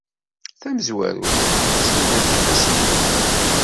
Tamezwarut, ssirdet ifassen-nwen.